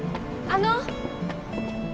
あの！